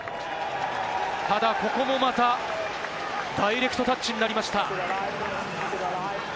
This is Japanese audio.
ただここもまたダイレクトタッチになりました。